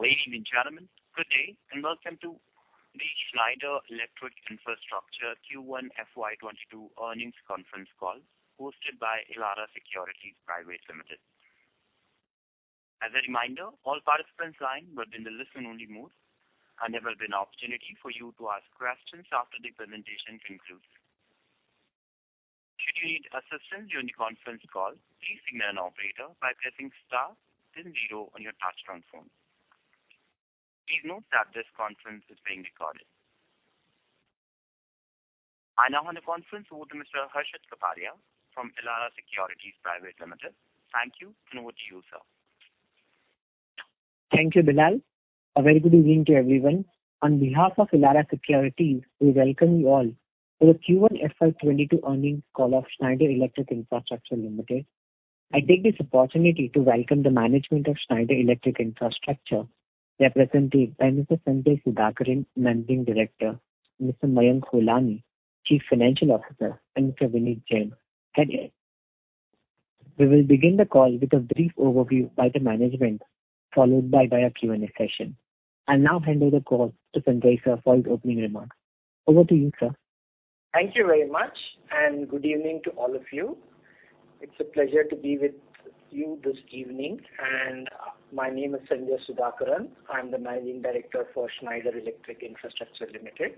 Ladies and gentlemen, good day, and welcome to the Schneider Electric Infrastructure Q1 FY 2022 Earnings Conference Call hosted by Elara Securities Private Limited. As a reminder, all participants lined will be in the listen only mode. There will be an opportunity for you to ask questions after the presentation concludes. Should you need assistance during the conference call, please signal an operator by pressing star then zero on your touch-tone phone. Please note that this conference is being recorded. I now hand the conference over to Mr. Harshit Kapadia from Elara Securities Private Limited. Thank you, and over to you, sir. Thank you, Bilal. A very good evening to everyone. On behalf of Elara Securities, we welcome you all to the Q1 FY 2022 Earnings Call of Schneider Electric Infrastructure Limited. I take this opportunity to welcome the management of Schneider Electric Infrastructure, represented by Mr. Sanjay Sudhakaran, Managing Director, Mr. Mayank Holani, Chief Financial Officer, and Mr. Vineet Jain, Head-IR. We will begin the call with a brief overview by the management, followed by via Q&A session. I'll now hand over the call to Sanjay, sir, for his opening remarks. Over to you, sir. Thank you very much, and good evening to all of you. It's a pleasure to be with you this evening. My name is Sanjay Sudhakaran. I'm the Managing Director for Schneider Electric Infrastructure Limited.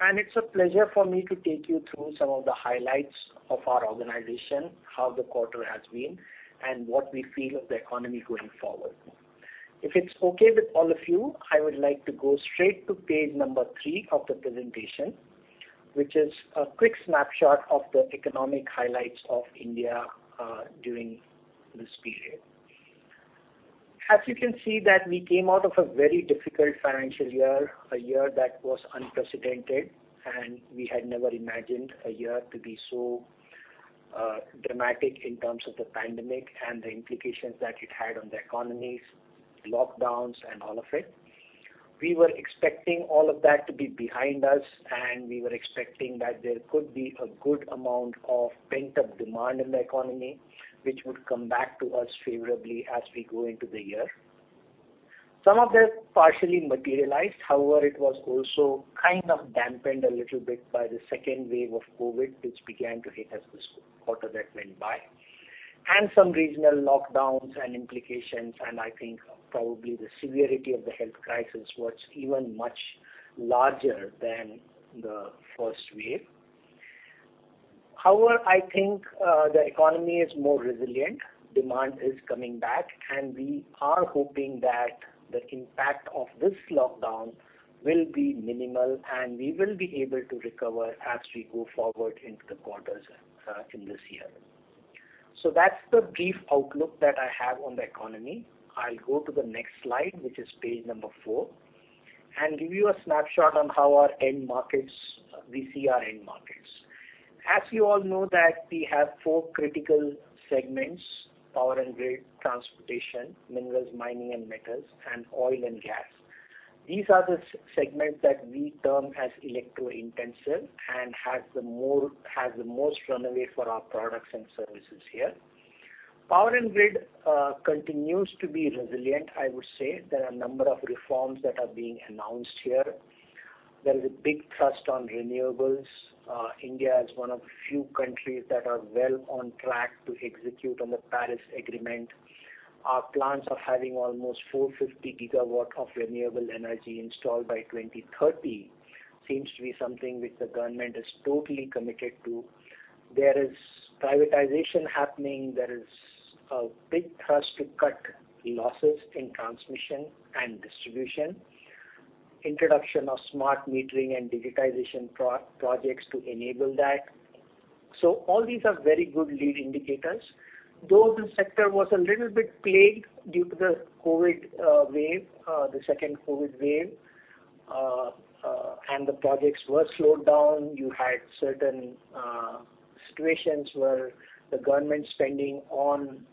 It's a pleasure for me to take you through some of the highlights of our organization, how the quarter has been, and what we feel of the economy going forward. If it's okay with all of you, I would like to go straight to Page number three of the presentation, which is a quick snapshot of the economic highlights of India during this period. You can see that we came out of a very difficult financial year, a year that was unprecedented, and we had never imagined a year to be so dramatic in terms of the pandemic and the implications that it had on the economies, lockdowns, and all of it. We were expecting all of that to be behind us, and we were expecting that there could be a good amount of pent-up demand in the economy, which would come back to us favorably as we go into the year. Some of this partially materialized. It was also kind of dampened a little bit by the second wave of COVID, which began to hit us this quarter that went by, and some regional lockdowns and implications, and I think probably the severity of the health crisis was even much larger than the first wave. I think the economy is more resilient. Demand is coming back, and we are hoping that the impact of this lockdown will be minimal, and we will be able to recover as we go forward into the quarters in this year. That's the brief outlook that I have on the economy. I'll go to the next slide, which is Page number four, and give you a snapshot on how we see our end markets. As you all know that we have four critical segments, power and grid, transportation, minerals, mining and metals, and oil and gas. These are the segments that we term as electro-intensive and has the most runaway for our products and services here. Power and grid continues to be resilient, I would say. There are a number of reforms that are being announced here. There is a big thrust on renewables. India is one of few countries that are well on track to execute on the Paris Agreement. Our plans of having almost 450 GW of renewable energy installed by 2030 seems to be something which the government is totally committed to. There is privatization happening. There is a big thrust to cut losses in transmission and distribution. Introduction of smart metering and digitization projects to enable that. All these are very good lead indicators, though the sector was a little bit plagued due to the second COVID wave, and the projects were slowed down. You had certain situations where the government spending on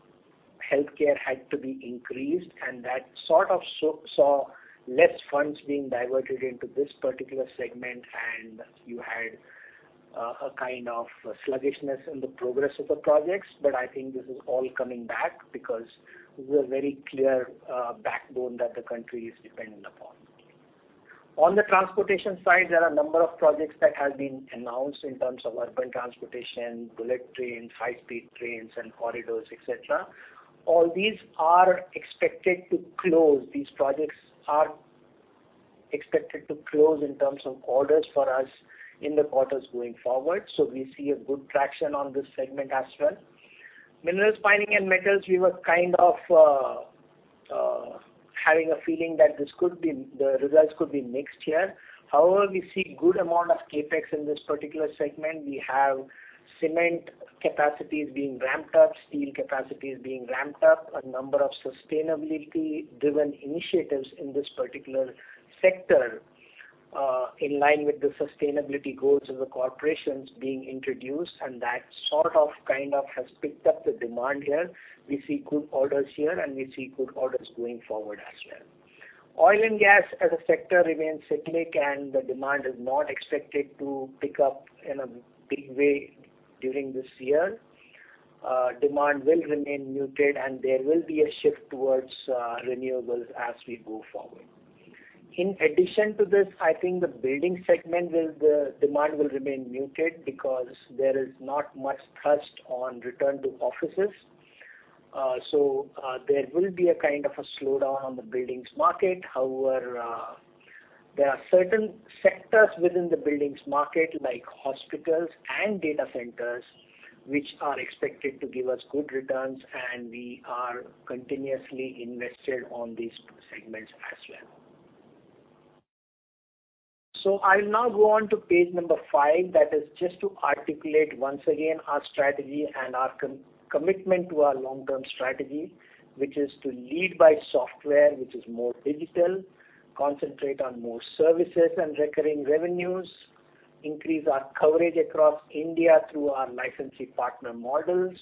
healthcare had to be increased, and that sort of saw less funds being diverted into this particular segment, and you had a kind of sluggishness in the progress of the projects. I think this is all coming back because we're a very clear backbone that the country is dependent upon. On the transportation side, there are a number of projects that have been announced in terms of urban transportation, bullet trains, high-speed trains, and corridors, et cetera. All these are expected to close. These projects are expected to close in terms of orders for us in the quarters going forward. We see a good traction on this segment as well. Minerals, mining, and metals, we were kind of having a feeling that the results could be mixed here. However, we see good amount of CapEx in this particular segment. We have cement capacities being ramped up, steel capacities being ramped up, a number of sustainability-driven initiatives in this particular sector, in line with the sustainability goals of the corporations being introduced, and that sort of, kind of has picked up the demand here. We see good orders here, and we see good orders going forward as well. Oil and gas as a sector remains cyclic, and the demand is not expected to pick up in a big way during this year demand will remain muted, and there will be a shift towards renewables as we move forward. In addition to this, I think the building segment demand will remain muted because there is not much trust on return to offices. There will be a kind of a slowdown on the buildings market. However, there are certain sectors within the buildings market, like hospitals and data centers, which are expected to give us good returns, and we are continuously invested on these segments as well. I will now go on to Page number five. That is just to articulate once again our strategy and our commitment to our long-term strategy, which is to lead by software, which is more digital, concentrate on more services and recurring revenues, increase our coverage across India through our licensee partner models,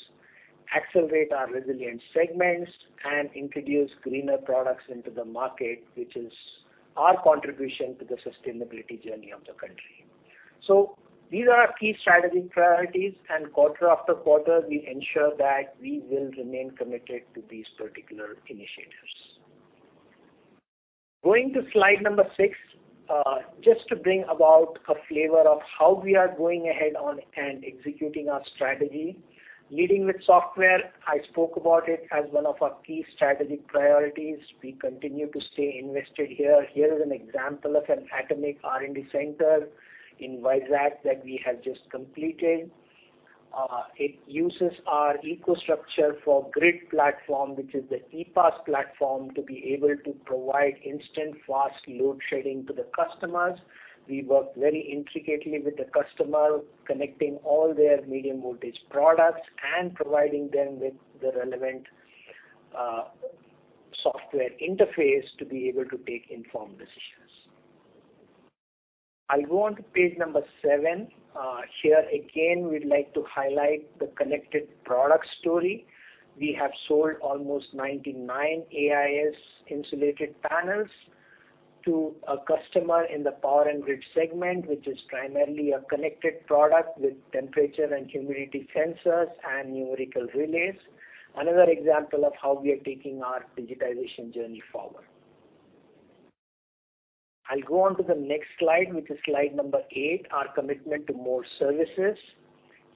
accelerate our resilient segments, and introduce greener products into the market, which is our contribution to the sustainability journey of the country. These are our key strategic priorities, and quarter after quarter, we ensure that we will remain committed to these particular initiatives. Going to slide number 6. Just to bring about a flavor of how we are going ahead and executing our strategy. Leading with software, I spoke about it as one of our key strategic priorities. We continue to stay invested here. Here is an example of an atomic R&D center in Vizag that we have just completed. It uses our EcoStruxure for Grid platform, which is the EPAS platform, to be able to provide instant fast load shedding to the customers. We work very intricately with the customer, connecting all their medium voltage products and providing them with the relevant software interface to be able to take informed decisions. I'll go onto Page number seven. Here again, we'd like to highlight the connected product story. We have sold almost 99 AIS insulated panels to a customer in the power and grid segment, which is primarily a connected product with temperature and humidity sensors and numerical relays. Another example of how we are taking our digitization journey forward. I'll go onto the next slide, which is slide number eight, our commitment to more services.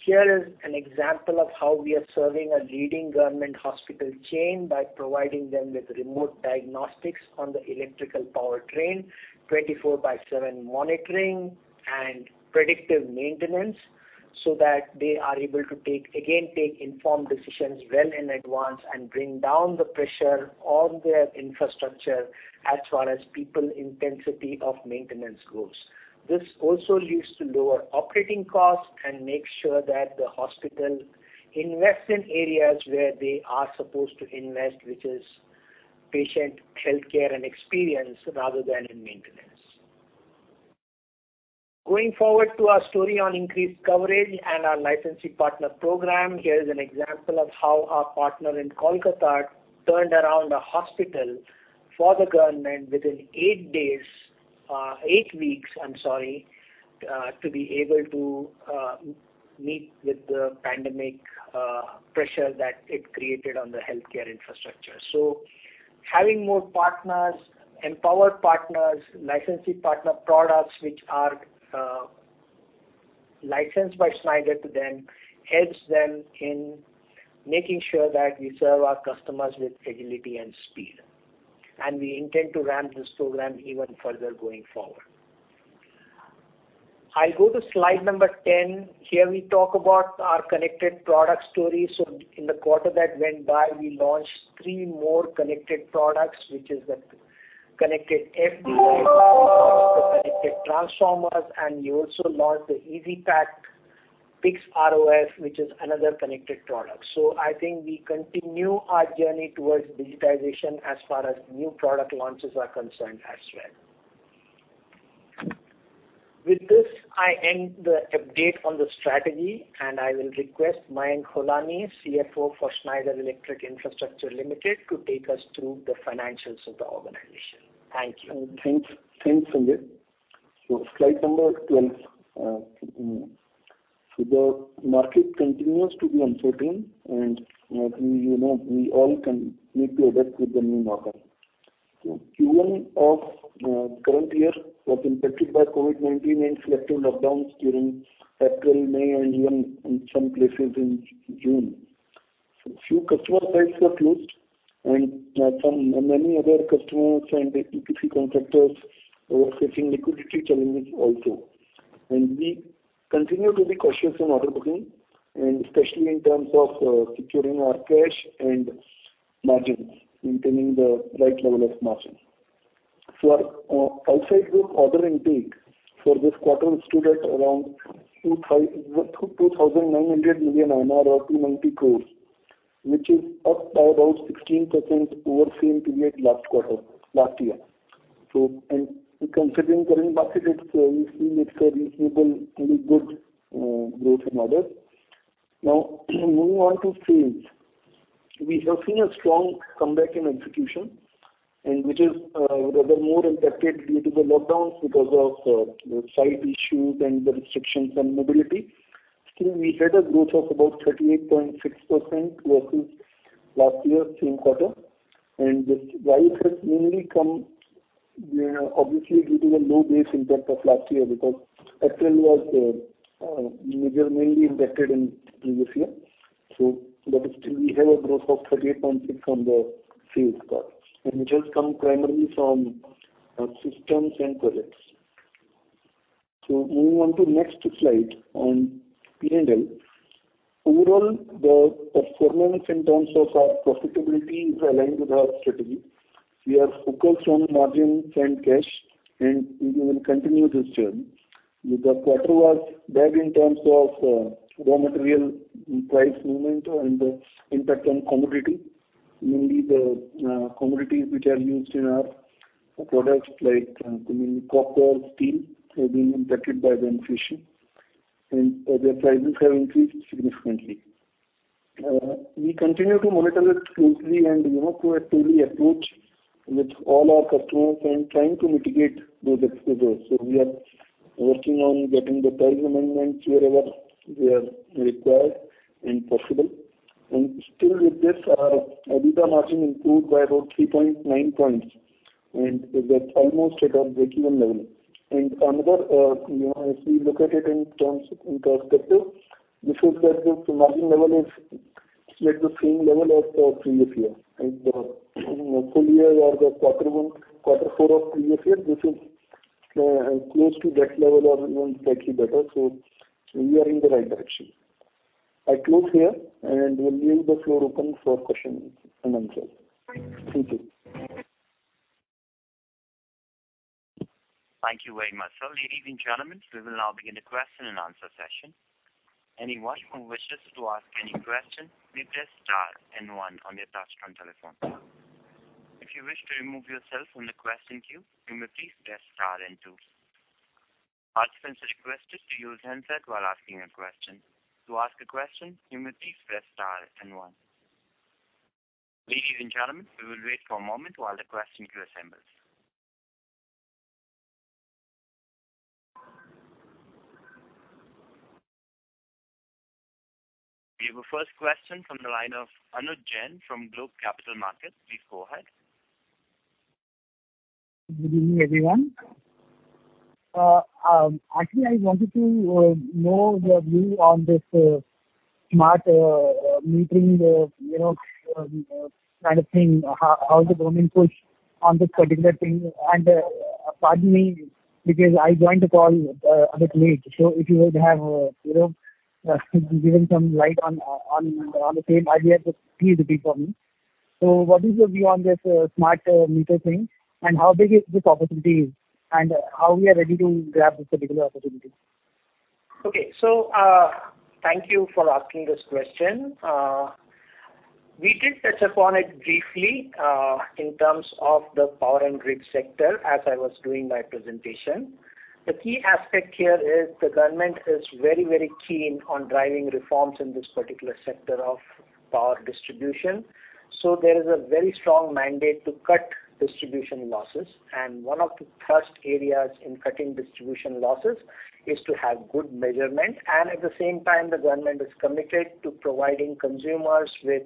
Here is an example of how we are serving a leading government hospital chain by providing them with remote diagnostics on the electrical power train, 24 by seven monitoring, and predictive maintenance, so that they are able to, again, take informed decisions well in advance and bring down the pressure on their infrastructure as far as people intensity of maintenance goes. This also leads to lower operating costs and makes sure that the hospital invests in areas where they are supposed to invest, which is patient healthcare and experience, rather than in maintenance. Going forward to our story on increased coverage and our licensing partner program, here is an example of how our partner in Kolkata turned around a hospital for the government within eight weeks to be able to meet with the pandemic pressure that it created on the healthcare infrastructure. Having more partners, empowered partners, licensing partner products, which are licensed by Schneider to them, helps them in making sure that we serve our customers with agility and speed. We intend to ramp this program even further going forward. I'll go to Slide number 10. Here we talk about our connected product story. In the quarter that went by, we launched three more connected products, which is the connected FDIs, the connected transformers, and we also launched the EasyPact PIX ROF, which is another connected product. I think we continue our journey towards digitization as far as new product launches are concerned as well. With this, I end the update on the strategy, and I will request Mayank Holani, CFO for Schneider Electric Infrastructure Limited, to take us through the financials of the organization. Thank you. Thanks, Sanjay. Slide number 12. The market continues to be uncertain, and we all need to adapt with the new normal. Q1 of current year was impacted by COVID-19 and selective lockdowns during April, May, and even in some places in June. A few customer sites got closed, and many other customers and EPC contractors were facing liquidity challenges also. We continue to be cautious on order booking, and especially in terms of securing our cash and margins, maintaining the right level of margins. Our LFL group order intake for this quarter stood at around 2,900 million or rupees 290 crores, which is up by around 16% over the same period last year. Considering current basket, we see it's a reasonable, really good growth in orders. We have seen a strong comeback in execution, and which is rather more impacted due to the lockdowns because of the site issues and the restrictions on mobility. Still, we had a growth of about 38.6% versus last year, same quarter, and this rise has mainly come, obviously, due to the low base impact of last year, because Q1 was major mainly impacted in previous year. But still we have a growth of 38.6% from the sales part, and which has come primarily from systems and projects. Moving on to next slide on P&L. Overall, the performance in terms of our profitability is aligned with our strategy. We are focused on margins and cash, and we will continue this journey. The quarter was bad in terms of raw material price movement and the impact on commodity. Mainly the commodities which are used in our products like copper, steel, have been impacted by the inflation, and their prices have increased significantly. We continue to monitor it closely and proactively approach with all our customers and trying to mitigate those exposures. We are working on getting the price amendments wherever they are required and possible. Still with this, our EBITDA margin improved by about 3.9 points, and that's almost at our breakeven level. Another, if we look at it in terms in perspective, this is at the margin level is at the same level as previous year. The full-year or the quarter one, quarter four of previous year, this is close to that level or even slightly better. We are in the right direction. I close here and will leave the floor open for questions and answers. Thank you. Thank you very much. Ladies and gentlemen, we will now begin the question-and-answer session. Anyone who wishes to ask any question, please press star and one on your touch-tone telephone. If you wish to remove yourself from the question queue, you may please press star and two. Participants are requested to use handset while asking a question. To ask a question, you may please press star and one. Ladies and gentlemen, we will wait for a moment while the question queue assembles. We have a first question from the line of Anuj Jain from Globe Capital Markets. Please go ahead. Good evening, everyone. Actually, I wanted to know your view on this smart metering kind of thing, how the government push on this particular thing. Pardon me, because I joined the call a bit late, so if you would have given some light on the same idea, it would please be for me. What is your view on this smart meter thing, and how big is this opportunity, and how we are ready to grab this particular opportunity? Okay. Thank you for asking this question. We did touch upon it briefly, in terms of the power and grid sector as I was doing my presentation. The key aspect here is the government is very, very keen on driving reforms in this particular sector of power distribution. There is a very strong mandate to cut distribution losses. One of the first areas in cutting distribution losses is to have good measurement. At the same time, the government is committed to providing consumers with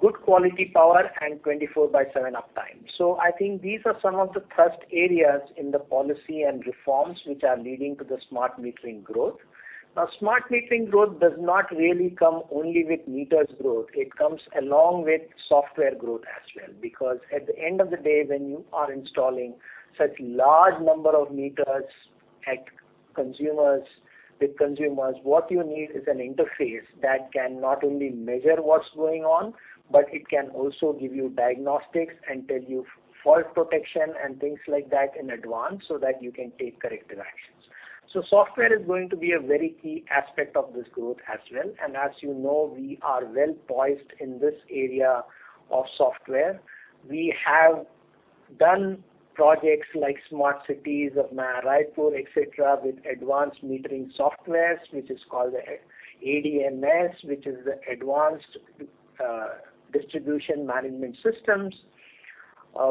good quality power and 24 by seven uptime. I think these are some of the first areas in the policy and reforms which are leading to the smart metering growth. Now, smart metering growth does not really come only with meters growth. It comes along with software growth as well. At the end of the day, when you are installing such large number of meters with consumers, what you need is an interface that can not only measure what's going on, but it can also give you diagnostics and tell you fault protection and things like that in advance so that you can take corrective actions. Software is going to be a very key aspect of this growth as well. As you know, we are well poised in this area of software. We have done projects like smart cities of Raipur, et cetera, with advanced metering softwares, which is called the ADMS, which is the Advanced Distribution Management Systems.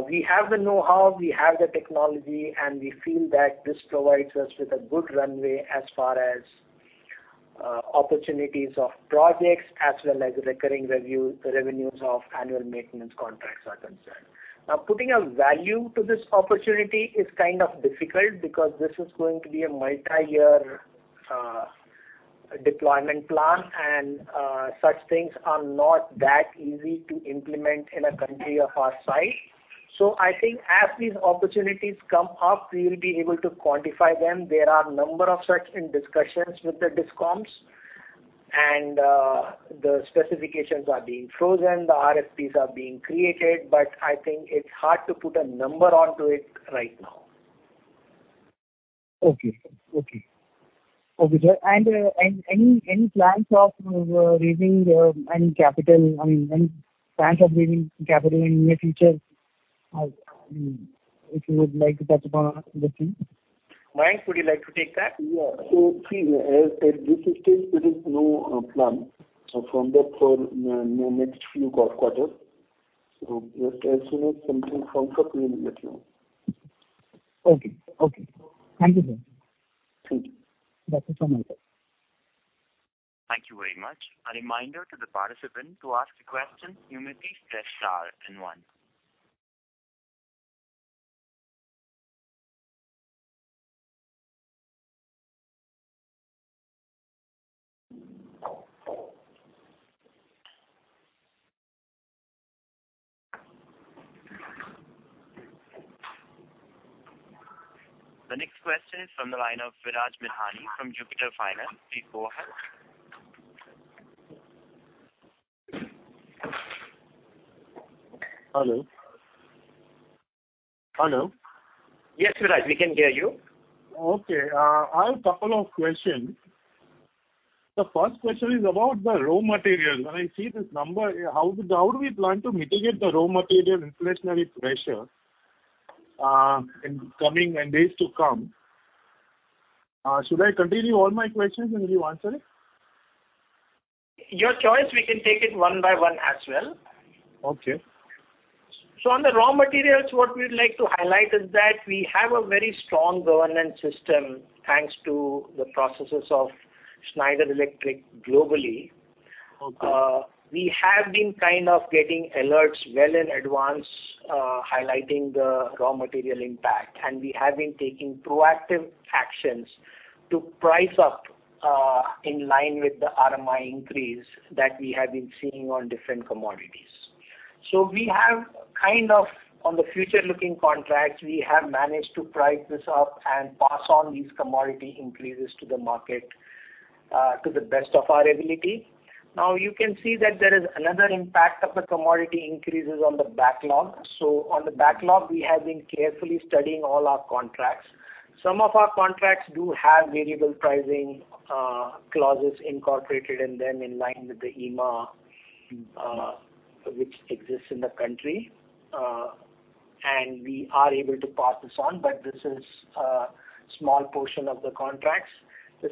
We have the know-how, we have the technology, and we feel that this provides us with a good runway as far as opportunities of projects as well as recurring revenues of annual maintenance contracts are concerned. Putting a value to this opportunity is kind of difficult because this is going to be a multi-year deployment plan, and such things are not that easy to implement in a country of our size. I think as these opportunities come up, we will be able to quantify them. There are a number of such in discussions with the DISCOMs, and the specifications are being frozen, the RFPs are being created, but I think it's hard to put a number onto it right now. Okay. Any plans of raising any capital, I mean, any plans of raising capital in near future? If you would like to touch upon that thing. Mayank, would you like to take that? As I said, this is still there is no plan from that for next few quarters. Just as soon as something firms up, we will let you know. Okay. Thank you, Mayank. Thank you. That is from my side. Thank you very much. A reminder to participants to ask a question you may press star then one. The next question is from the line of Viraj Mithani from Jupiter Finance. Please go ahead. Hello. Yes, Viraj, we can hear you. Okay. I have a couple of questions. The first question is about the raw materials. When I see this number, how do we plan to mitigate the raw material inflationary pressure in days to come? Should I continue all my questions and you answer it? Your choice. We can take it one by one as well. Okay. On the raw materials, what we'd like to highlight is that we have a very strong governance system, thanks to the processes of Schneider Electric globally. Okay. We have been kind of getting alerts well in advance, highlighting the raw material impact. We have been taking proactive actions to price up in line with the RMI increase that we have been seeing on different commodities. We have kind of, on the future-looking contracts, we have managed to price this up and pass on these commodity increases to the market to the best of our ability. Now you can see that there is another impact of the commodity increases on the backlog. On the backlog, we have been carefully studying all our contracts. Some of our contracts do have variable pricing clauses incorporated in them in line with the IEEMA which exists in the country, and we are able to pass this on, but this is a small portion of the contracts. The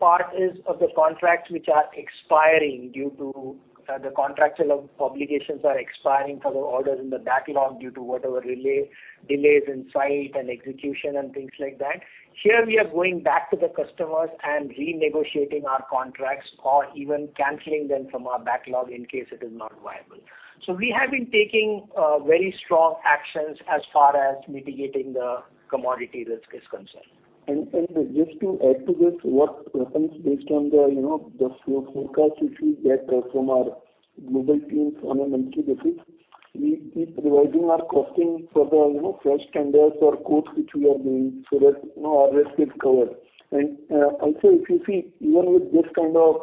second part is of the contracts which are expiring due to the contractual obligations are expiring for the orders in the backlog due to whatever delays in site and execution and things like that. Here we are going back to the customers and renegotiating our contracts or even canceling them from our backlog in case it is not viable. We have been taking very strong actions as far as mitigating the commodity risk is concerned. Just to add to this, what happens based on the forecast we see that from our global teams on a monthly basis, we keep revising our costing for the fresh tenders or quotes which we are doing so that our risk is covered. Also if you see, even with this kind of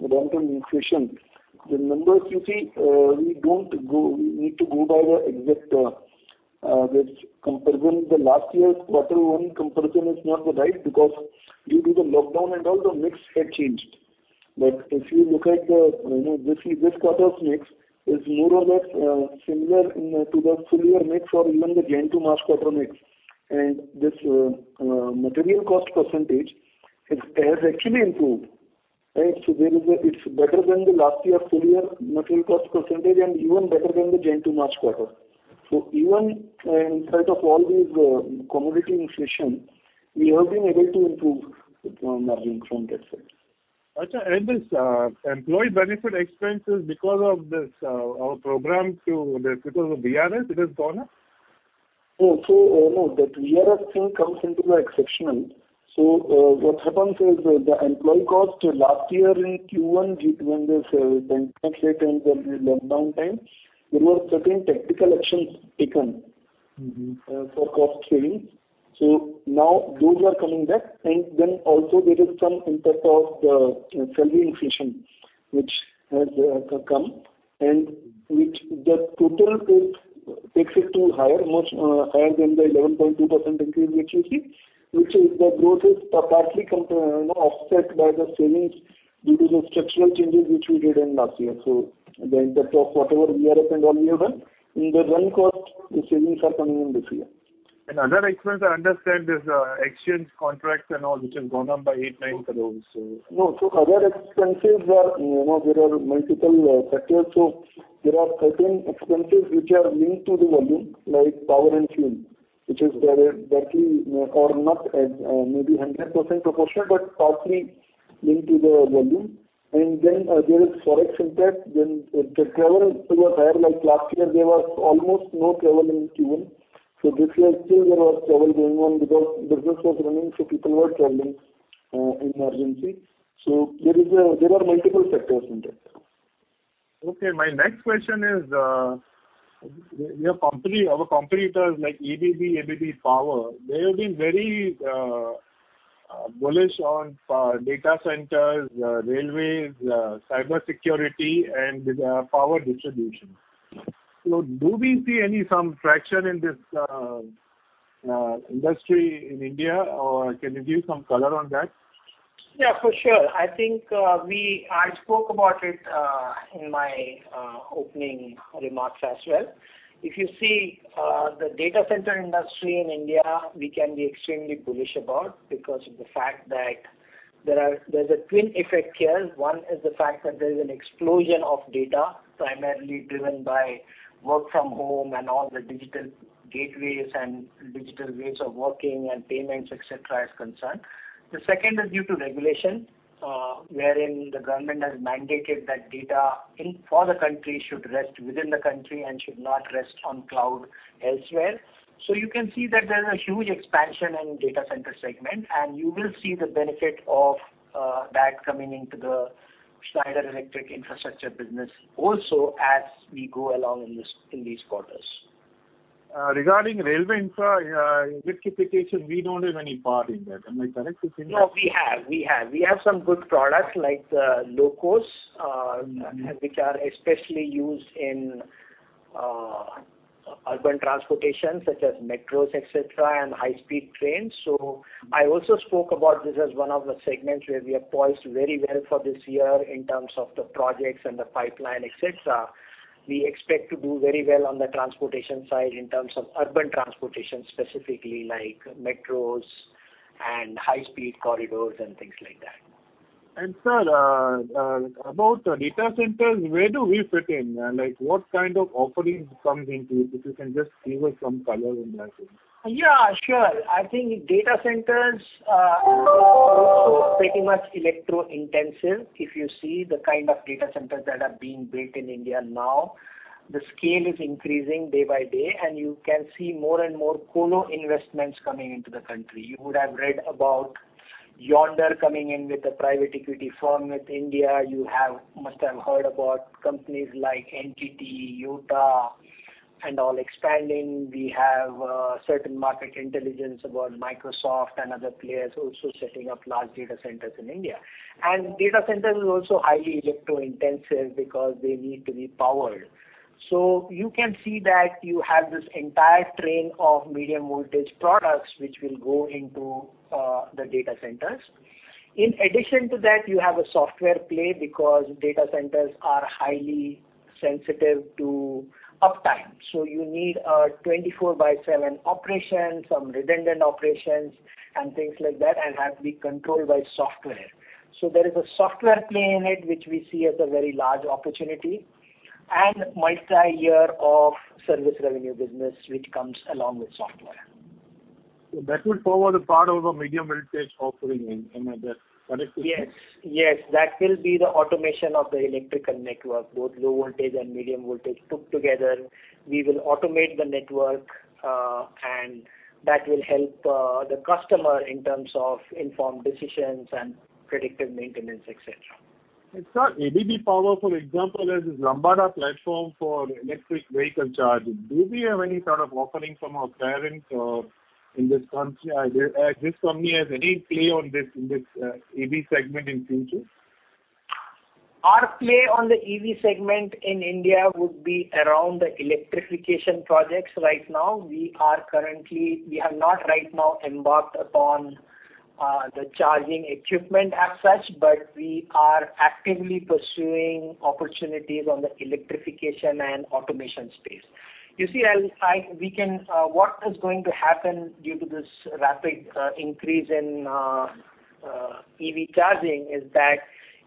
random inflation, the numbers you see, we need to go by the exact comparison. The last year's quarter one comparison is not the right because due to the lockdown and all the mix had changed. If you look at this quarter's mix is more or less similar to the full-year mix or even the January to March quarter mix. This material cost percentage has actually improved. It's better than the last year full-year material cost percentage and even better than the January to March quarter. Even in spite of all this commodity inflation, we have been able to improve the margin from that side. This employee benefit expenses because of VRS it has gone up? That VRS thing comes into the exceptional. What happens is the employee cost last year in Q1 when this bank holiday and the lockdown time, there were certain tactical actions taken for cost savings. Now those are coming back and then also there is some impact of the salary inflation which has come and which the total takes it to much higher than the 11.2% increase which you see, which is the growth is partly offset by the savings due to the structural changes which we did in last year. The impact of whatever VRS and all we have done in the run cost, the savings are coming in this year. Other expense I understand is exchange contracts and all which has gone up by 8 crores-9 crores. No. Other expenses are, there are multiple factors. There are certain expenses which are linked to the volume, like power and fuel, which is directly or not maybe 100% proportional but partly linked to the volume. Then there is Forex impact, then the travel was higher. Like last year there was almost no travel in Q1. This year still there was travel going on because business was running, so people were traveling in urgency. There are multiple factors in that. Okay. My next question is, our competitors like ABB Power, they have been very bullish on data centers, railways, cybersecurity, and power distribution. Do we see any some traction in this industry in India or can you give some color on that? Yeah, for sure. I think I spoke about it in my opening remarks as well. If you see the data center industry in India, we can be extremely bullish about because of the fact that there's a twin effect here. One is the fact that there's an explosion of data, primarily driven by work from home and all the digital gateways and digital ways of working and payments, et cetera, is concerned. The second is due to regulation, wherein the government has mandated that data for the country should rest within the country and should not rest on cloud elsewhere. You can see that there's a huge expansion in data center segment, and you will see the benefit of that coming into the Schneider Electric Infrastructure business also as we go along in these quarters. Regarding railway infra, electrification, we don't have any part in that. Am I correct to think that? No, we have. We have some good products like the Locos, which are especially used in urban transportation such as metros, et cetera, and high-speed trains. I also spoke about this as one of the segments where we are poised very well for this year in terms of the projects and the pipeline, et cetera. We expect to do very well on the transportation side in terms of urban transportation, specifically like metros and high-speed corridors and things like that. Sir, about data centers, where do we fit in? What kind of offerings comes into it, if you can just give us some color on that as well? Yeah, sure. I think data centers are also pretty much electro-intensive. If you see the kind of data centers that are being built in India now, the scale is increasing day by day, and you can see more and more colo investments coming into the country. You would have read about Yondr coming in with a private equity firm with India. You must have heard about companies like NTT, Yotta, and all expanding. We have certain market intelligence about Microsoft and other players also setting up large data centers in India. Data centers is also highly electro-intensive because they need to be powered. You can see that you have this entire train of medium voltage products which will go into the data centers. In addition to that, you have a software play because data centers are highly sensitive to uptime. You need a 24/7 operation, some redundant operations, and things like that, and have to be controlled by software. There is a software play in it, which we see as a very large opportunity, and multi-year of service revenue business, which comes along with software. That will form a part of the medium voltage offering, am I correct? Yes. That will be the automation of the electrical network, both low voltage and medium voltage put together. We will automate the network, and that will help the customer in terms of informed decisions and predictive maintenance, et cetera. Sir, ABB Power, for example, has this Lumada platform for electric vehicle charging. Do we have any sort of offering from our parent in this country? Does this company has any play in this EV segment in future? Our play on the EV segment in India would be around the electrification projects right now. We have not right now embarked upon the charging equipment as such, but we are actively pursuing opportunities on the electrification and automation space. What is going to happen due to this rapid increase in EV charging is that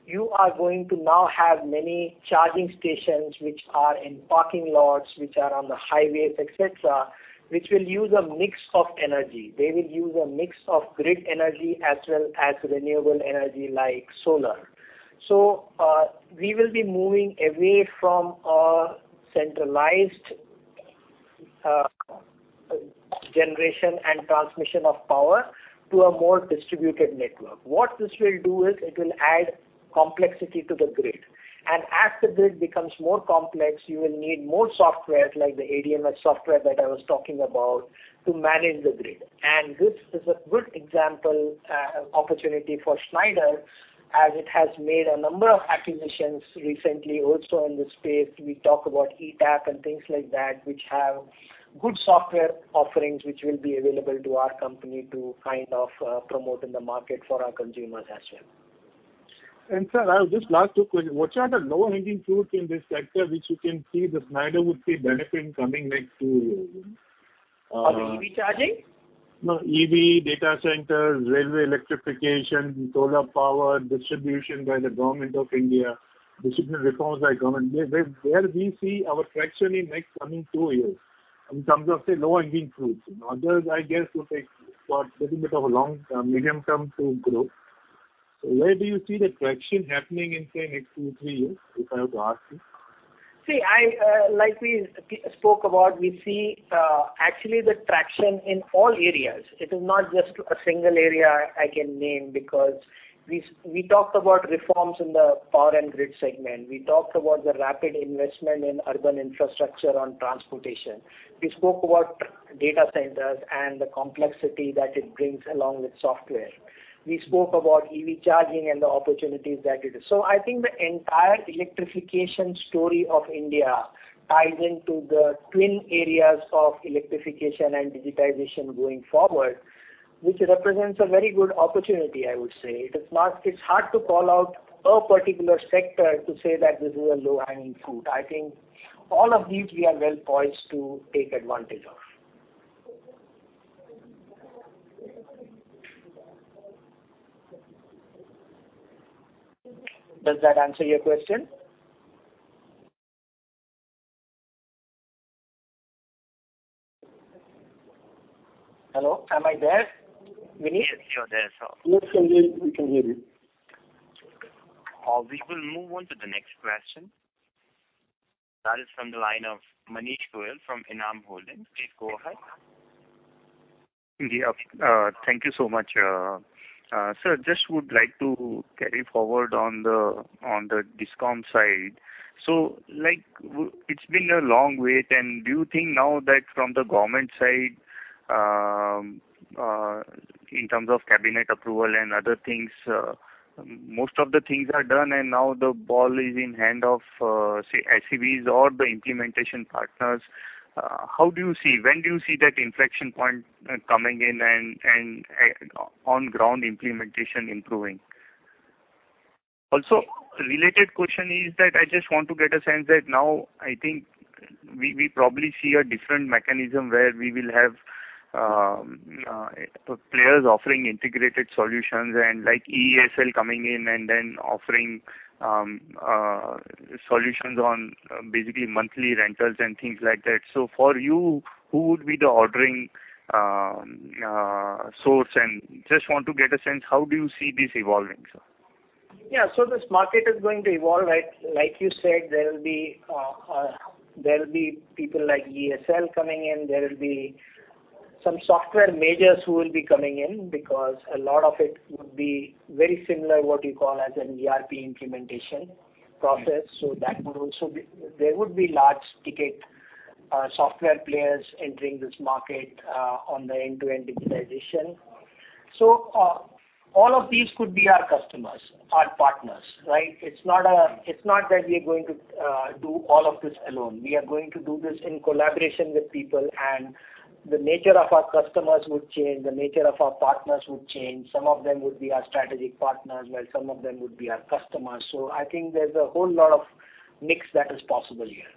you are going to now have many charging stations, which are in parking lots, which are on the highways, et cetera, which will use a mix of energy. They will use a mix of grid energy as well as renewable energy like solar. We will be moving away from a centralized generation and transmission of power to a more distributed network. What this will do is, it will add complexity to the grid. As the grid becomes more complex, you will need more software like the ADMS software that I was talking about to manage the grid. This is a good example, opportunity for Schneider, as it has made a number of acquisitions recently also in this space. We talk about ETAP and things like that, which have good software offerings which will be available to our company to promote in the market for our consumers as well. Sir, just last two questions. What are the lower hanging fruits in this sector which you can see that Schneider would see benefit coming next two years? Of the EV charging? EV, data centers, railway electrification, solar power distribution by the Government of India, distribution reforms by government. Where we see our traction in next coming two years in terms of, say, lower hanging fruits. Others, I guess, will take quite a little bit of a long, medium term to grow. Where do you see the traction happening in, say, next two, three years, if I have to ask you? Like we spoke about, we see actually the traction in all areas. It is not just a single area I can name because we talked about reforms in the power and grid segment. We talked about the rapid investment in urban infrastructure on transportation. We spoke about data centers and the complexity that it brings along with software. We spoke about EV charging and the opportunities that it is. I think the entire electrification story of India ties into the twin areas of electrification and digitization going forward. Which represents a very good opportunity, I would say. It's hard to call out a particular sector to say that this is a low-hanging fruit. I think all of these we are well-poised to take advantage of. Does that answer your question? Hello, am I there? Vineet? Yes, you're there, sir. Yes, we can hear you. We will move on to the next question. That is from the line of Manish Goyal from Enam Holdings. Please go ahead. Yep. Thank you so much. Sir, just would like to carry forward on the DISCOMs side. It's been a long wait, and do you think now that from the government side, in terms of cabinet approval and other things, most of the things are done, and now the ball is in hand of, say, SEBs or the implementation partners? How do you see, when do you see that inflection point coming in and on-ground implementation improving? Also, related question is that I just want to get a sense that now, I think, we probably see a different mechanism where we will have players offering integrated solutions, and like EESL coming in and then offering solutions on basically monthly rentals and things like that. For you, who would be the ordering source? Just want to get a sense, how do you see this evolving, sir? Yeah. This market is going to evolve, like you said, there will be people like EESL coming in, there will be some software majors who will be coming in because a lot of it would be very similar, what you call as an ERP implementation process. There would be large-ticket software players entering this market on the end-to-end digitalization. All of these could be our customers, our partners, right? It's not that we are going to do all of this alone. We are going to do this in collaboration with people, and the nature of our customers would change, the nature of our partners would change. Some of them would be our strategic partners, while some of them would be our customers. I think there's a whole lot of mix that is possible here.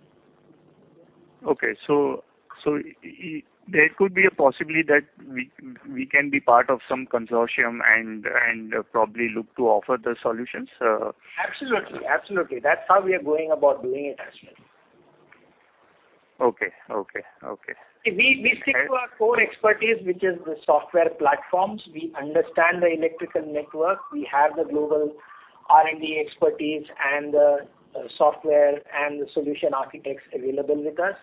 Okay. There could be a possibility that we can be part of some consortium and probably look to offer the solutions? Absolutely. That's how we are going about doing it as well. Okay. We stick to our core expertise, which is the software platforms. We understand the electrical network. We have the global R&D expertise and the software and the solution architects available with us.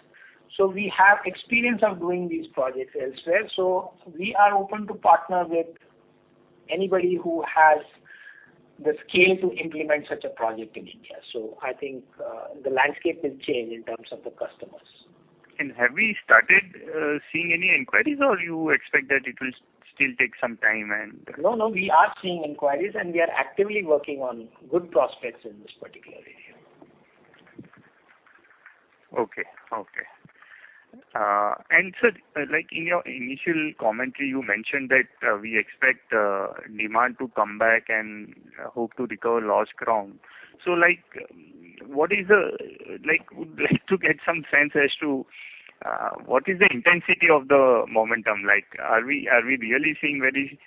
We have experience of doing these projects elsewhere. We are open to partner with anybody who has the scale to implement such a project in India. I think the landscape will change in terms of the customers. Have we started seeing any inquiries, or you expect that it will still take some time? No, we are seeing inquiries, and we are actively working on good prospects in this particular area. Okay. Sir, in your initial commentary, you mentioned that we expect demand to come back and hope to recover lost ground. Would like to get some sense as to what is the intensity of the momentum like. Are we really seeing very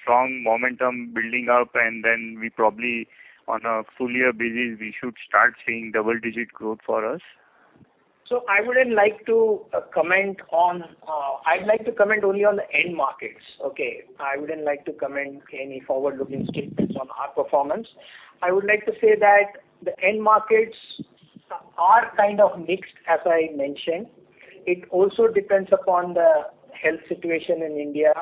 strong momentum building up, and then we probably on a full-year basis, we should start seeing double-digit growth for us? I would like to comment only on the end markets, okay. I would not like to comment any forward-looking statements on our performance. I would like to say that the end markets are kind of mixed, as I mentioned. It also depends upon the health situation in India,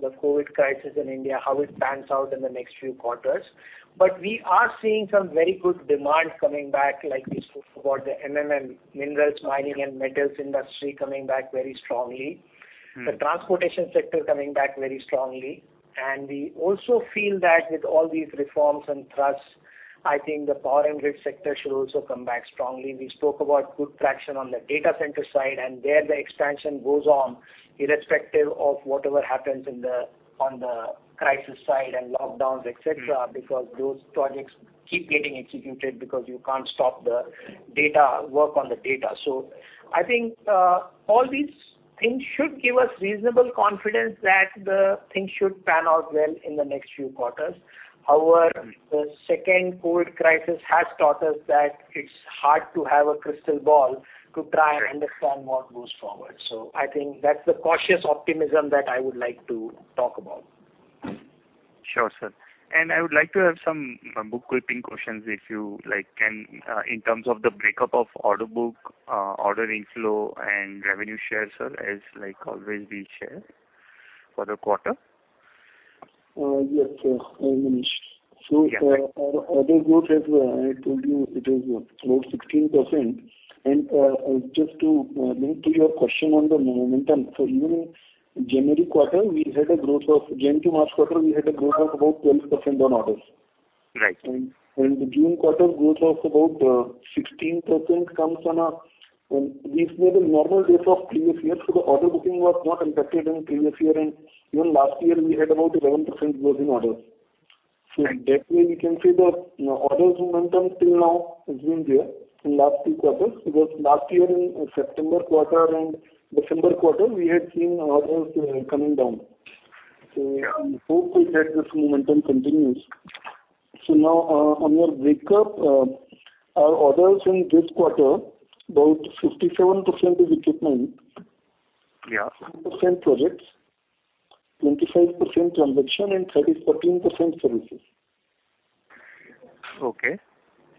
the COVID crisis in India, how it pans out in the next few quarters. We are seeing some very good demand coming back, like we spoke about the MMM, Minerals, Mining and Metals industry coming back very strongly. The transportation sector coming back very strongly. We also feel that with all these reforms and thrusts, I think the power and grid sector should also come back strongly. We spoke about good traction on the data center side. There the expansion goes on irrespective of whatever happens on the crisis side and lockdowns, et cetera, because those projects keep getting executed because you can't stop the work on the data. I think all these things should give us reasonable confidence that the things should pan out well in the next few quarters. However, the second COVID crisis has taught us that it's hard to have a crystal ball to try and understand what goes forward. I think that's the cautious optimism that I would like to talk about. Sure, sir. I would like to have some bookkeeping questions, if you can, in terms of the breakup of order book, order inflow, and revenue share, sir, as always we share for the quarter. Yes, Manish. Yeah. Our order growth, as I told you, it is about 16%. Just to link to your question on the momentum. Even January quarter, Jan to March quarter, we had a growth of about 12% on orders. Right. The June quarter growth of about 16% comes on a normal base of previous year, so the order booking was not impacted in previous year, and even last year we had about 11% growth in orders. Right. That way we can say the orders momentum till now has been there in last two quarters, because last year in September quarter and December quarter, we had seen orders coming down. Yeah. We hope that this momentum continues. Now on your breakup, our orders in this quarter, about 57% is equipment. Yeah. 7% projects, 25% transaction and 13% services. Okay.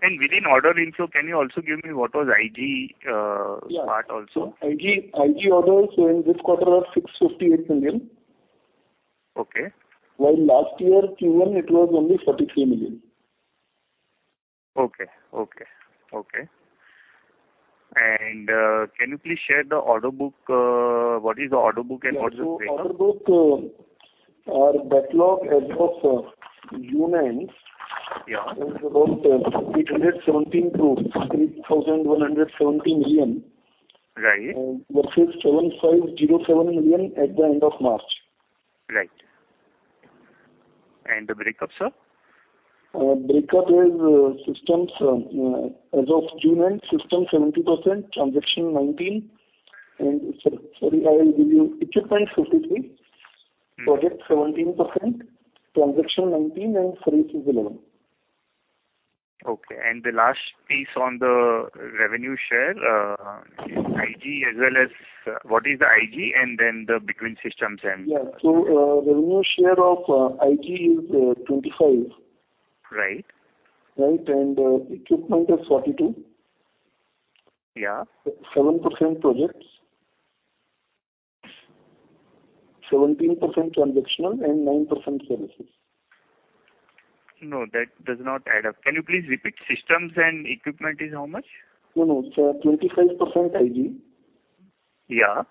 Within order info, can you also give me what was IG part also? Yeah. IG orders in this quarter are 658 million. Okay. While last year Q1, it was only 43 million. Okay. Can you please share the order book? What is the order book and what is the break? Yeah. Order book, our backlog as of June end- Yeah was about 817 crore, 8,170 million. Right. Versus 7,507 million at the end of March. Right. The breakups are? Breakup is, as of June end, systems 70%, transaction 19%. Equipment 53%. Projects 17%, transaction 19%, and services 11%. Okay. The last piece on the revenue share, IG. What is the IG? Yeah. Revenue share of IG is 25%. Right. Right? Equipment is 42. Yeah. 7% projects, 17% transactional and 9% services. No, that does not add up. Can you please repeat? Systems and equipment is how much? 25% IG. Yeah.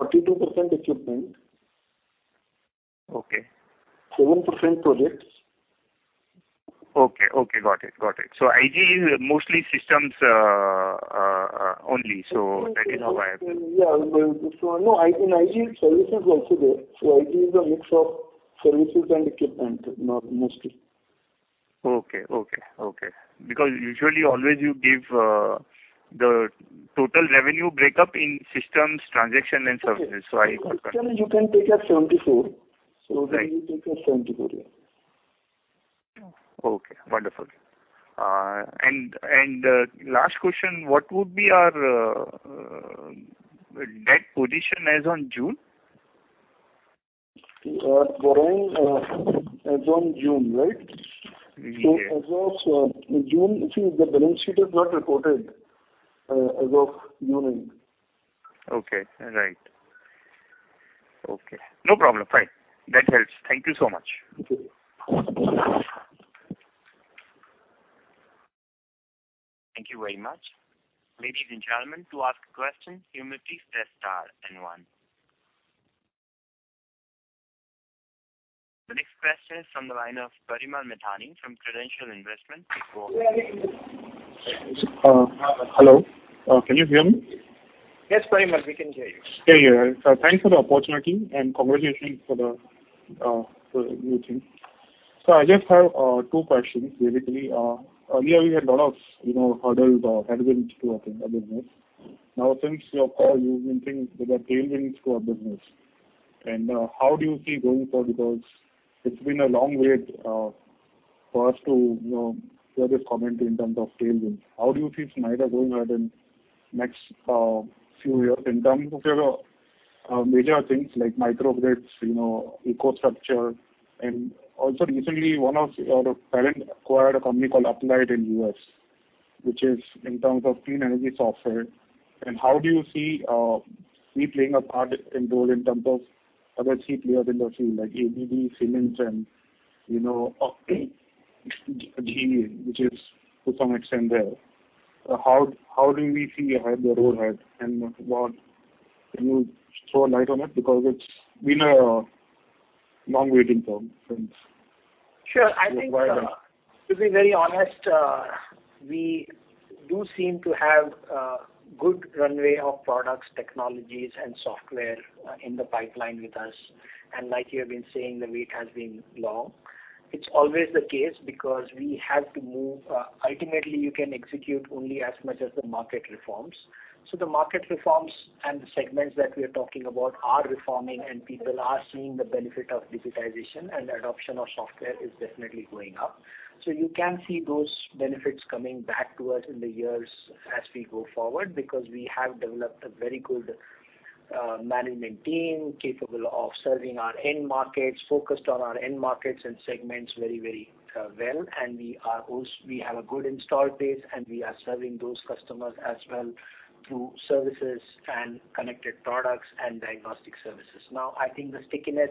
42% equipment. Okay. 7% projects. Okay, got it. IG is mostly systems only. Yeah. No, in IG, services also there. IG is a mix of services and equipment, mostly. Okay. Usually always you give the total revenue breakup in systems, transaction and services. Okay. System you can take as 74. Right. IG take as 74, yeah. Okay, wonderful. Last question, what would be our debt position as on June? Our borrowing as on June, right? Yeah. As of June, actually the balance sheet is not reported as of June end. Okay. Right. Okay. No problem. Fine. That helps. Thank you so much. Okay. Thank you very much. The next question is from the line of Parimal Mithani from Credential Investment. Hello. Can you hear me? Yes, Parimal, we can hear you. Yeah. Thanks for the opportunity and congratulations for the listing. I just have two questions, basically. Earlier we had a lot of hurdles or headwinds to our business. Now since your call, you've been saying there are tailwinds to our business. How do you see going forward, because it's been a long wait for us to hear this comment in terms of tailwinds. How do you see Schneider going ahead in next few years in terms of your major things like microgrids, EcoStruxure? Also recently, one of your parent acquired a company called Uplight in U.S. which is in terms of clean energy software. How do you see we playing a part and role in terms of other key players in the field like ABB, Siemens and GE, which is to some extent there. How do we see the road ahead? Can you throw a light on it? Sure. acquired them. to be very honest, we do seem to have a good runway of products, technologies, and software in the pipeline with us. Like you have been saying, the wait has been long. It's always the case because we have to move. Ultimately, you can execute only as much as the market reforms. The market reforms and the segments that we are talking about are reforming, and people are seeing the benefit of digitization, and adoption of software is definitely going up. You can see those benefits coming back to us in the years as we go forward, because we have developed a very good management team capable of serving our end markets, focused on our end markets and segments very, very well. We have a good install base, and we are serving those customers as well through services and connected products and diagnostic services. I think the stickiness,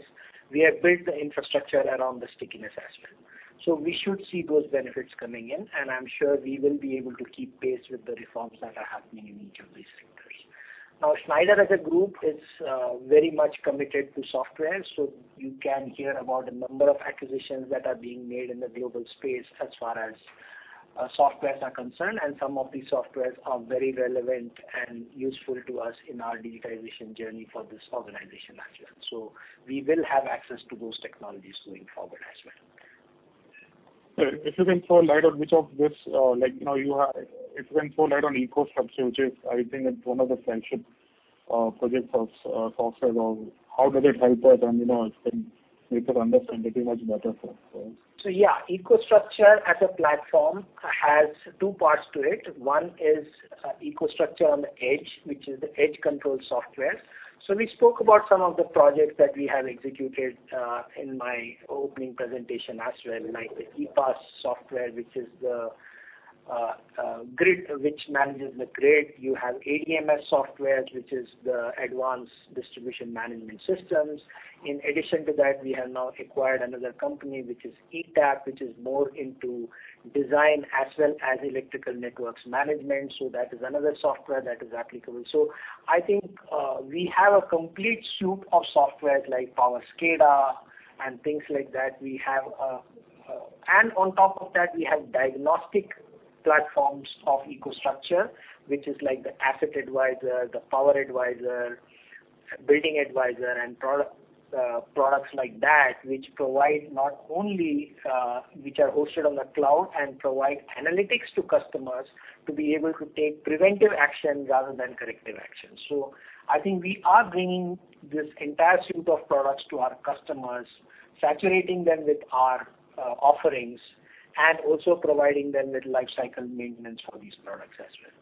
we have built the infrastructure around the stickiness aspect. We should see those benefits coming in, and I am sure we will be able to keep pace with the reforms that are happening in each of these segments. Schneider as a group is very much committed to software. You can hear about a number of acquisitions that are being made in the global space as far as softwares are concerned, and some of these softwares are very relevant and useful to us in our digitization journey for this organization as well. We will have access to those technologies going forward as well. Sir, if you can throw light on EcoStruxure, which is, I think one of the flagship projects of software. How does it help us? It can make us understand it much better, sir. Yeah, EcoStruxure as a platform has two parts to it. One is EcoStruxure on the edge, which is the edge control software. We spoke about some of the projects that we have executed, in my opening presentation as well, like the EPAS software, which is the grid, which manages the grid. You have ADMS software, which is the Advanced Distribution Management Systems. In addition to that, we have now acquired another company, which is ETAP, which is more into design as well as electrical networks management. That is another software that is applicable. I think, we have a complete suite of softwares like Power SCADA and things like that. On top of that, we have diagnostic platforms of EcoStruxure, which is like the Asset Advisor, the Power Advisor, Building Advisor, and products like that, which are hosted on the cloud and provide analytics to customers to be able to take preventive action rather than corrective action. I think we are bringing this entire suite of products to our customers, saturating them with our offerings, and also providing them with life cycle maintenance for these products as well.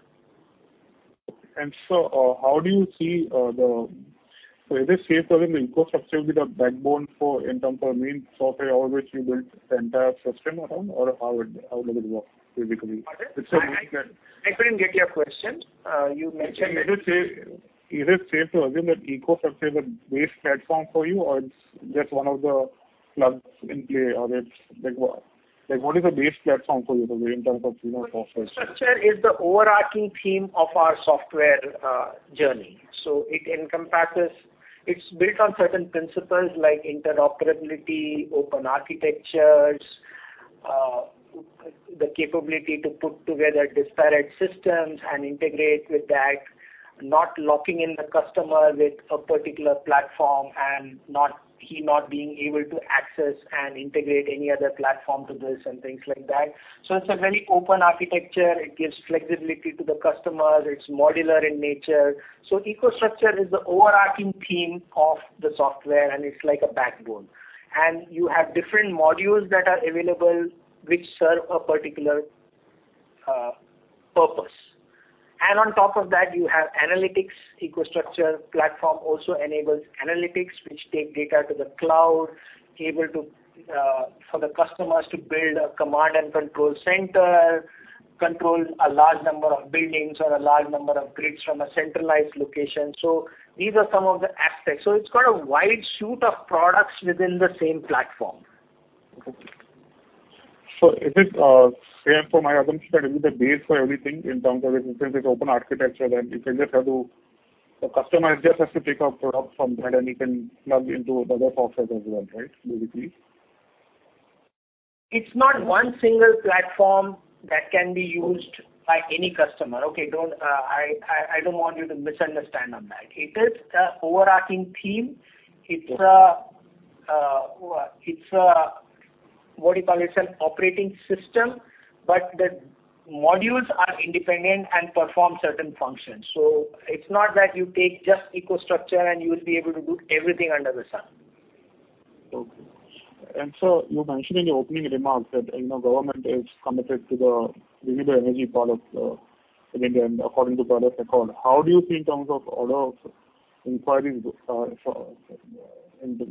Is it safe to assume EcoStruxure will be the backbone for in terms of main software or which you built the entire system around? How does it work basically? Pardon? I couldn't get your question. You mentioned- Is it safe to assume that EcoStruxure is the base platform for you, or it's just one of the plugs in play? Like, what is the base platform for you in terms of software? EcoStruxure is the overarching theme of our software journey. It encompasses It's built on certain principles like interoperability, open architectures, the capability to put together disparate systems and integrate with that, not locking in the customer with a particular platform, and he not being able to access and integrate any other platform to this and things like that. It's a very open architecture. It gives flexibility to the customers. It's modular in nature. EcoStruxure is the overarching theme of the software, and it's like a backbone. You have different modules that are available which serve a particular purpose. On top of that, you have analytics. EcoStruxure platform also enables analytics, which take data to the cloud, able for the customers to build a command and control center, control a large number of buildings or a large number of grids from a centralized location. These are some of the aspects. It's got a wide suite of products within the same platform. Okay. Is it fair for my assumption that it is the base for everything in terms of, since it's open architecture, then the customer just has to pick a product from that and he can plug into other softwares as well, right? It's not one single platform that can be used by any customer. Okay. I don't want you to misunderstand on that. It is a overarching theme. It's a, what do you call it? An operating system, but the modules are independent and perform certain functions. It's not that you take just EcoStruxure and you will be able to do everything under the sun. Okay. You mentioned in your opening remarks that government is committed to the renewable energy part of India and according to Paris Accord. How do you see in terms of order of inquiries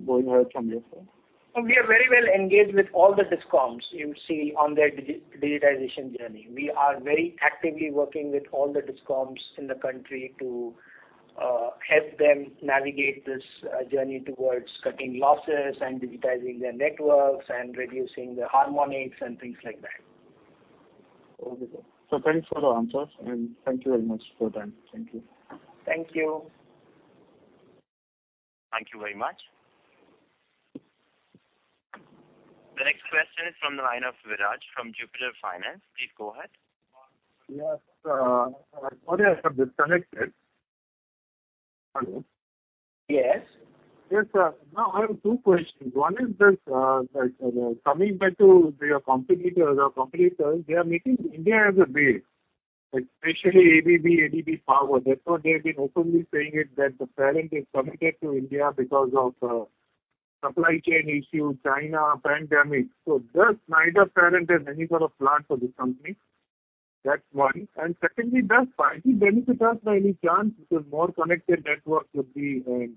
going ahead from here? We are very well engaged with all the DISCOMs, you see, on their digitization journey. We are very actively working with all the DISCOMs in the country to help them navigate this journey towards cutting losses and digitizing their networks and reducing the harmonics and things like that. Okay. Thanks for the answers, and thank you very much for time. Thank you. Thank you. Thank you very much. The next question is from the line of Viraj from Jupiter Finance. Please go ahead. Yes. I think you have disconnected. Hello? Yes. Yes, sir. Now I have two questions. One is this, coming back to your competitors, they are making India as a base, especially ABB Power. That's why they've been openly saying it, that the parent is committed to India because of supply chain issues, China, pandemic. Does Schneider's parent have any sort of plan for this company? That's one. Secondly, does 5G benefit us by any chance? Because more connected network would be You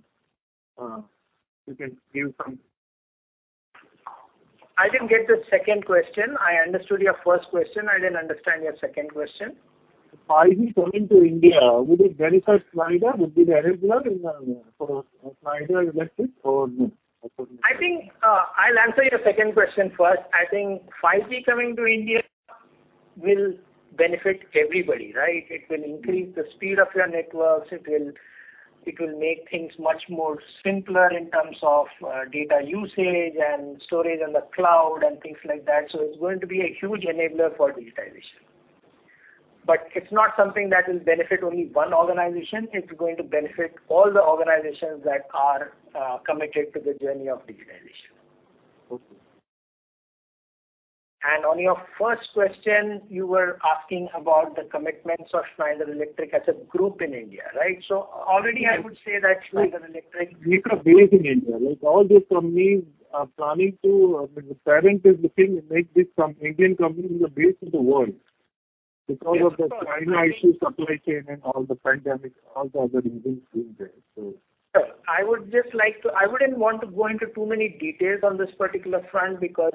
can give some I didn't get the second question. I understood your first question. I didn't understand your second question. 5G coming to India, would it benefit Schneider? Would it be relevant for Schneider Electric or no? I think I'll answer your second question first. I think 5G coming to India will benefit everybody, right? It will increase the speed of your networks. It will make things much more simpler in terms of data usage and storage on the cloud and things like that. It's going to be a huge enabler for digitization. It's not something that will benefit only one organization. It's going to benefit all the organizations that are committed to the journey of digitization. Okay. On your first question, you were asking about the commitments of Schneider Electric as a group in India, right? Already I would say that Schneider Electric- Make a base in India. Like all these companies are planning to, the parent is looking to make this some Indian company as a base for the world because of the China issue, supply chain, and all the pandemic, all the other reasons being there. Sir, I wouldn't want to go into too many details on this particular front because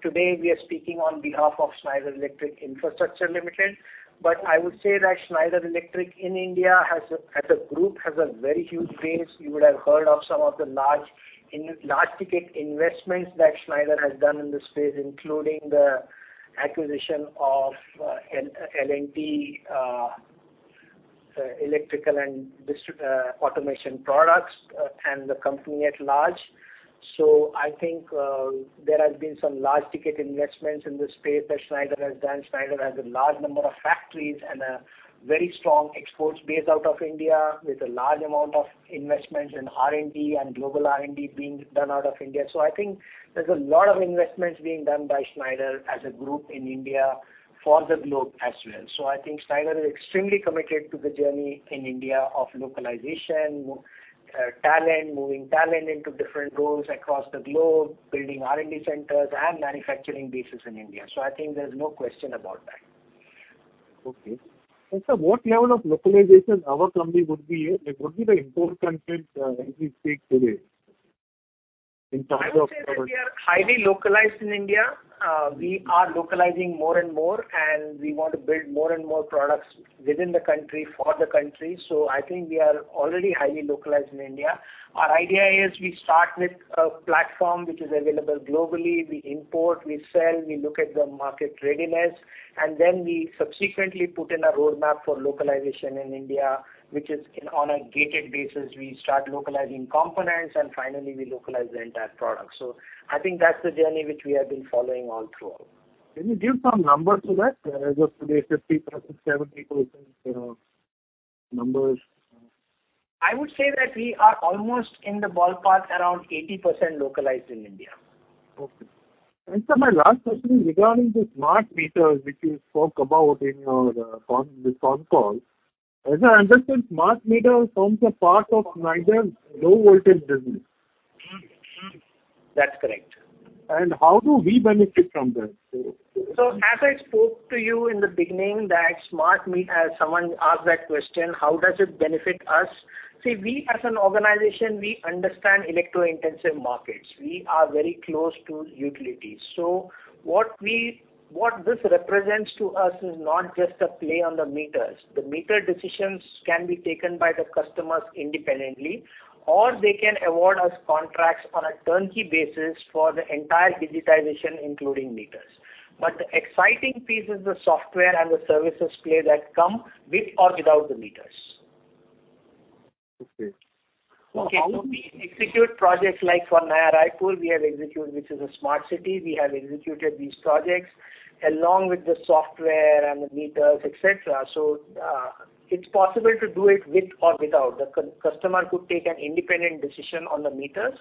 today we are speaking on behalf of Schneider Electric Infrastructure Limited. I would say that Schneider Electric in India as a group has a very huge base. You would have heard of some of the large ticket investments that Schneider has done in this space, including the acquisition of L&T Electrical and Automation products and the company at large. I think there have been some large ticket investments in this space that Schneider has done. Schneider has a large number of factories and a very strong exports base out of India with a large amount of investments in R&D and global R&D being done out of India. I think there's a lot of investments being done by Schneider as a group in India for the globe as well. I think Schneider is extremely committed to the journey in India of localization, talent, moving talent into different roles across the globe, building R&D centers and manufacturing bases in India. I think there's no question about that. Okay. Sir, what level of localization our company would be in? What would be the import content as we speak today in terms of products? I would say that we are highly localized in India. We are localizing more and more, and we want to build more and more products within the country for the country. I think we are already highly localized in India. Our idea is we start with a platform which is available globally. We import, we sell, we look at the market readiness, and then we subsequently put in a roadmap for localization in India, which is on a gated basis. We start localizing components, and finally we localize the entire product. I think that's the journey which we have been following all through. Can you give some numbers to that? As of today, 50%, 70% numbers. I would say that we are almost in the ballpark around 80% localized in India. Okay. Sir, my last question is regarding the smart meters which you spoke about in this phone call. As I understand, smart meter forms a part of Schneider's low voltage business. Mm-hmm. That's correct. How do we benefit from that? As I spoke to you in the beginning that smart meter, someone asked that question, how does it benefit us? We as an organization, we understand electro-intensive markets. We are very close to utilities. What this represents to us is not just a play on the meters. The meter decisions can be taken by the customers independently, or they can award us contracts on a turnkey basis for the entire digitization, including meters. The exciting piece is the software and the services play that come with or without the meters. Okay. We execute projects like for Naya Raipur, we have executed, which is a smart city. We have executed these projects along with the software and the meters, et cetera. It's possible to do it with or without. The customer could take an independent decision on the meters,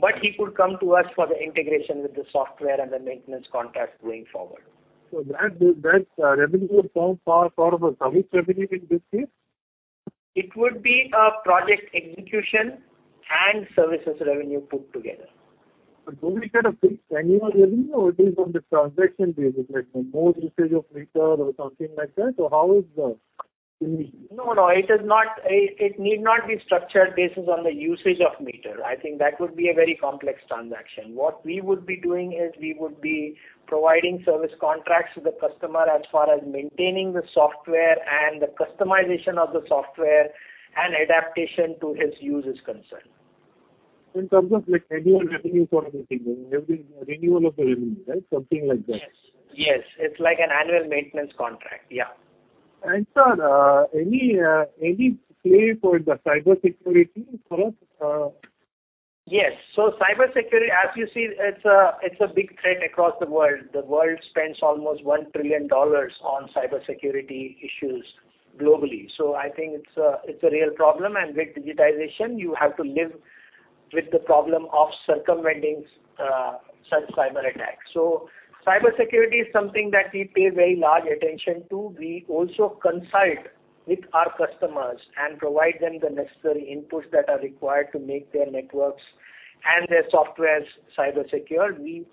but he could come to us for the integration with the software and the maintenance contract going forward. That revenue would form part of a service revenue in this case? It would be a project execution and services revenue put together. Do we get a fixed annual revenue or it is on the transaction basis, like more usage of meter or something like that? How is the revenue? No, it need not be structured basis on the usage of meter. I think that would be a very complex transaction. What we would be doing is we would be providing service contracts to the customer as far as maintaining the software and the customization of the software and adaptation to his use is concerned. In terms of like annual revenue sort of a thing, every renewal of the revenue, right? Something like that. Yes. It's like an annual maintenance contract. Yeah. Sir, any play for the cybersecurity product? Yes. Cybersecurity, as you see, it's a big threat across the world. The world spends almost $1 trillion on cybersecurity issues globally. I think it's a real problem, and with digitization, you have to live with the problem of circumventing such cyberattacks. Cybersecurity is something that we pay very large attention to. We also consult with our customers and provide them the necessary inputs that are required to make their networks and their softwares cyber secure. We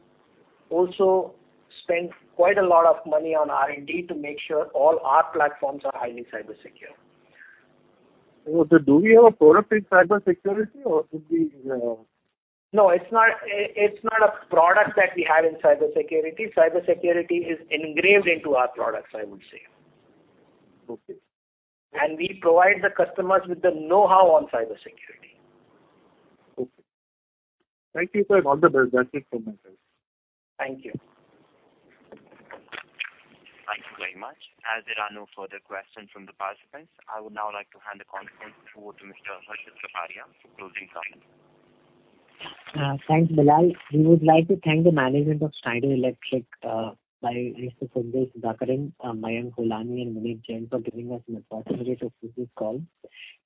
also spend quite a lot of money on R&D to make sure all our platforms are highly cyber secure. Do we have a product in cybersecurity or could we? No, it's not a product that we have in cybersecurity. Cybersecurity is engraved into our products, I would say. Okay. We provide the customers with the knowhow on cybersecurity. Okay. Thank you, sir. All the best. That's it from myself. Thank you. Thank you very much. As there are no further questions from the participants, I would now like to hand the conference over to Mr. Harshit Kapadia for closing comments. Thanks, Bilal. We would like to thank the management of Schneider Electric by Mr. Sanjay Sudhakaran, Mayank Holani and Munik Jain for giving us an opportunity to do this call.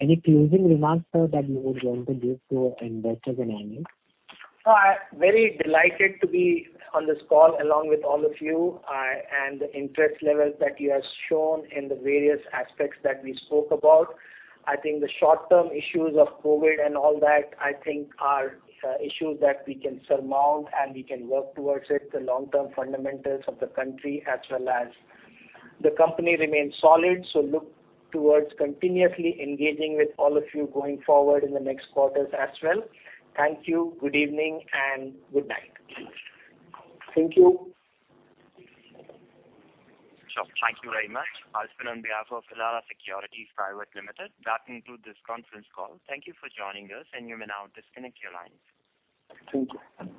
Any closing remarks, sir, that you would want to give to investors and analysts? I'm very delighted to be on this call along with all of you and the interest levels that you have shown in the various aspects that we spoke about. I think the short-term issues of COVID and all that, I think are issues that we can surmount and we can work towards it. The long-term fundamentals of the country as well as the company remain solid. Look towards continuously engaging with all of you going forward in the next quarters as well. Thank you. Good evening and good night. Thank you. Sure. Thank you very much. I'll speak on behalf of Elara Securities Private Limited. That concludes this conference call. Thank you for joining us, and you may now disconnect your lines. Thank you.